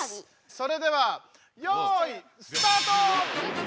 それではよいスタート！